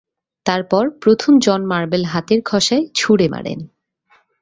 তারপর প্রথম জন মার্বেল হাতের ঘষায় ছুড়ে মারে।